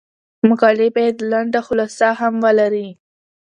مقالې باید لنډه خلاصه هم ولري.